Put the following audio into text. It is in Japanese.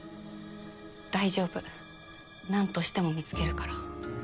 大丈夫何としても見つけるから。